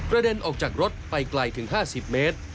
เด็นออกจากรถไปไกลถึง๕๐เมตร